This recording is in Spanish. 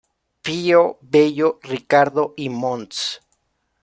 Pío Bello Ricardo y Mons.